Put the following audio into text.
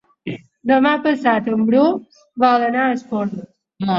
Demà passat en Bru vol anar a Esporles.